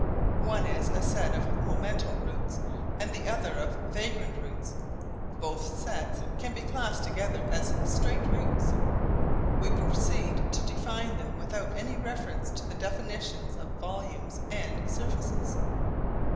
One is a set of momental routes and the other of vagrant routes. Both sets can be classed together as straight routes. We proceed to define them without any reference to the definitions of volumes and surfaces.